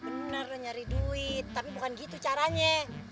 bener nyari duit tapi bukan gitu caranya